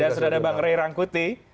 dan sudah ada bang ray rangkuti